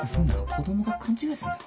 子供が勘違いすんだろ。